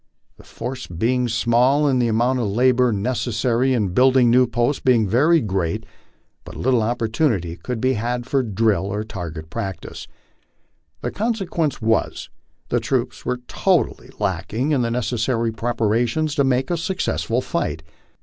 The force being small, and the amount of labor necessary in building new posts being very great, but little opportunity could be had for drill or tar get practice. The consequence was, the troops were totally lacking in the necessary preparation to make a successful fight.